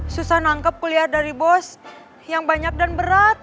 susah nangkep kuliah dari bos yang banyak dan berat